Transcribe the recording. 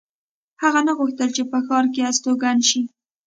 هغه نه غوښتل چې په ښار کې استوګن شي